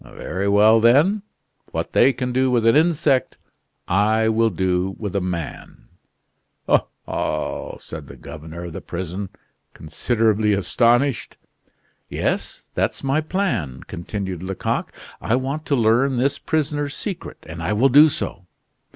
Very well, then. What they can do with an insect, I will do with a man!" "Oh, ho!" said the governor of the prison, considerably astonished. "Yes; that's my plan," continued Lecoq. "I want to learn this prisoner's secret; and I will do so.